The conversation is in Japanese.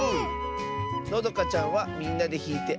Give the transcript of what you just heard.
のどかちゃんは「みんなでひいてあそべるね」